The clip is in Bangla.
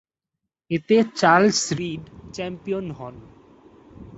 এতে চার্লস রিড চ্যাম্পিয়ন হন।